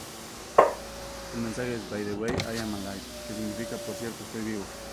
El mensaje es "By the way, i'm alive", que significa "Por cierto, estoy vivo".